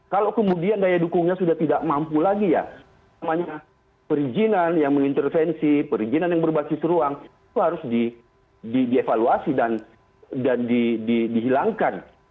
kalau kemudian daya dukungnya sudah tidak mampu lagi ya namanya perizinan yang mengintervensi perizinan yang berbasis ruang itu harus dievaluasi dan dihilangkan